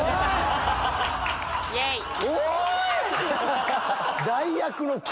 おい！